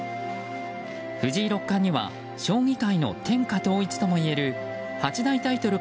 藤井六冠には将棋界の天下統一ともいえる八大タイトル